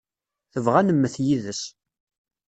Tebɣa ad nemmet yid-s.